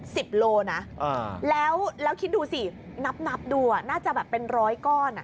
เป็น๑๐โลนะแล้วแล้วคิดดูสินับดูอ่ะน่าจะแบบเป็นร้อยก้อน